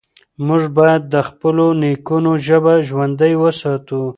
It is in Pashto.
موږ بايد د خپلو نيکونو ژبه ژوندۍ وساتو.